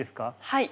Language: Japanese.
はい。